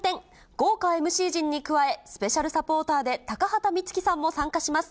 豪華ＭＣ陣に加え、スペシャルサポーターで、高畑充希さんも参加します。